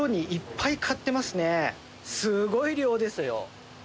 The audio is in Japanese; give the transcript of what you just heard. すごい量ですよ。